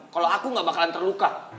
kalau aku gak bakalan terluka